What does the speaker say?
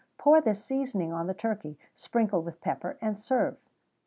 Pour this seasoning on the turkey, sprinkle with pepper, and serve.